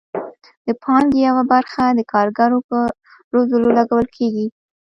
د پانګې یوه برخه د کارګرو په روزلو لګول کیږي.